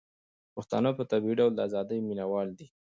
پښتانه په طبيعي ډول د ازادۍ مينه وال دي.